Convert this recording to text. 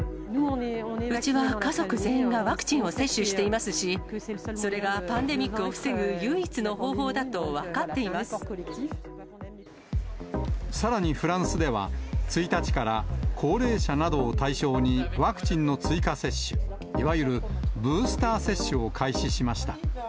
うちは家族全員がワクチンを接種していますし、それがパンデミックを防ぐ唯一の方法だと分かさらにフランスでは、１日から高齢者などを対象に、ワクチンの追加接種、いわゆるブースター接種を開始しました。